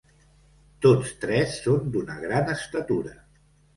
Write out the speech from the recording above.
Tots tres són d'una gran estatura.